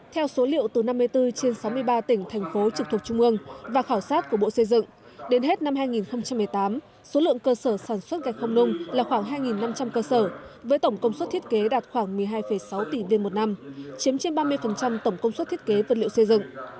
theo số liệu từ năm mươi bốn trên sáu mươi ba tỉnh thành phố trực thuộc trung ương và khảo sát của bộ xây dựng đến hết năm hai nghìn một mươi tám số lượng cơ sở sản xuất gạch không nung là khoảng hai năm trăm linh cơ sở với tổng công suất thiết kế đạt khoảng một mươi hai sáu tỷ viên một năm chiếm trên ba mươi tổng công suất thiết kế vật liệu xây dựng